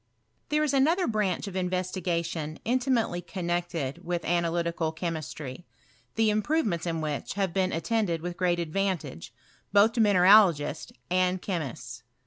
Thet« is another branch of investigation intimately connected with analytical chemistry, the improve ments in which have been attended with great ad vantage, both to mineralogists and chemists.